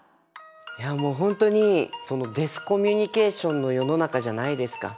いやもう本当にディスコミュニケーションの世の中じゃないですか。